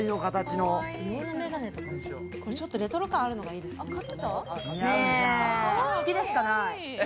ちょっとレトロ感あるのいいですよね。